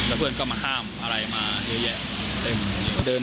เพื่อนก็มาห้ามอะไรมาเยอะแยะเต็ม